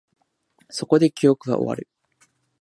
そこで、記憶は終わる